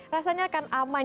rasanya kan aman